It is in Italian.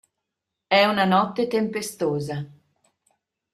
È una notte tempestosa.